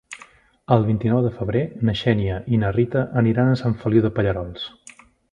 El vint-i-nou de febrer na Xènia i na Rita aniran a Sant Feliu de Pallerols.